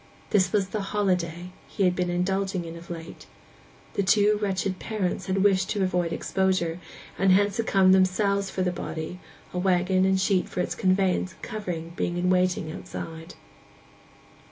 This was the 'holiday' he had been indulging in of late. The two wretched parents had wished to avoid exposure; and hence had come themselves for the body, a waggon and sheet for its conveyance and covering being in waiting outside.